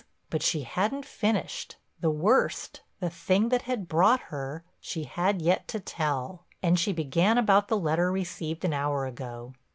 But she hadn't finished—the worst, the thing that had brought her—she had yet to tell. And she began about the letter received an hour ago.